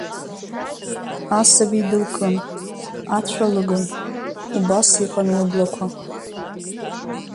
Асаби дылкын, ацәа лыгын, убас иҟан лыблақәа.